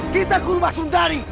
kita kurba sundari